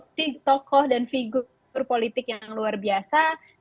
dia adalah salah satu tokoh dan figur politik yang luar biasa